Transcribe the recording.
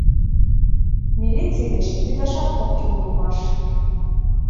Милиций деч лӱдашат ок кӱл улмаш.